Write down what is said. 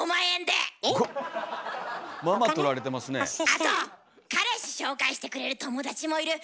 あと彼氏紹介してくれる友達もいる。